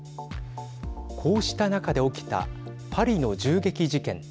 こうした中で起きたパリの銃撃事件。